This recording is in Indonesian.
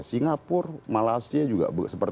singapura malaysia juga